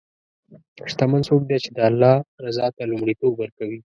شتمن څوک دی چې د الله رضا ته لومړیتوب ورکوي.